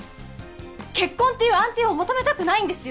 結婚っていう安定を求めたくないんですよ